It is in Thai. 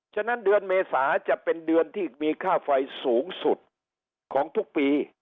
ฉะนั้นเดือนเมษาจะเป็นเดือนที่มีค่าไฟสูงสุดของทุกปี